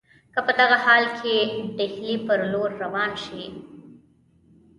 که په دغه حال کې ډهلي پر لور روان شي.